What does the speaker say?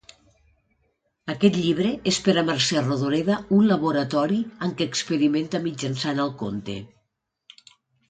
Aquest llibre és per a Mercè Rodoreda un laboratori en què experimenta mitjançant el conte.